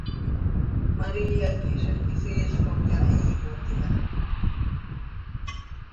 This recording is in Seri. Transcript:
María quih zixquisiil com yahiimot iha.